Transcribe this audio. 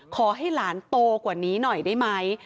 ขอให้หลานโตกว่านี้หน่อยได้ไหม